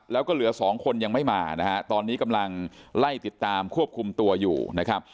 แล้วก็เหลือสองคนยังไม่มานะฮะตอนนี้กำลังไล่ติดตามควบคุมตัวอยู่นะครับ